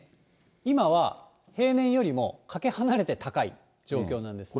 今は平年よりもかけ離れて高い状況なんですね。